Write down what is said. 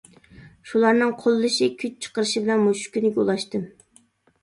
شۇلارنىڭ قوللىشى، كۈچ چىقىرىشى بىلەن مۇشۇ كۈنگە ئۇلاشتىم.